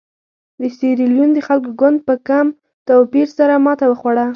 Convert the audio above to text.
د سیریلیون د خلکو ګوند په کم توپیر سره ماته وخوړه.